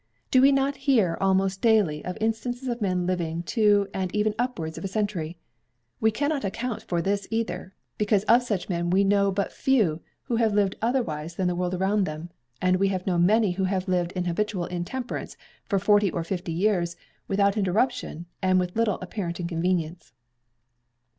Do we not hear almost daily of instances of men living near to and even upwards of a century? We cannot account for this either; because of such men we know but few who have lived otherwise than the world around them; and we have known many who have lived in habitual intemperance for forty or fifty years, without interruption and with little apparent inconvenience.